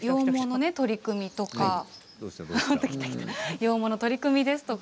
羊毛の取り組みですとか